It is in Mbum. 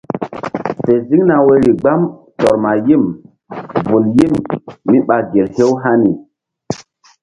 Fe ziŋ na woyri gbam tɔr ma yim vul yim míɓa gel hew hani.